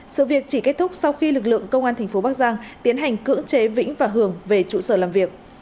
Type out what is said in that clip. sự việc chỉ kết thúc sau khi lực lượng công an thành phố bắc giang tiến hành cưỡng chế vĩnh và hường về trụ sở làm việc